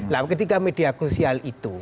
nah ketika media sosial itu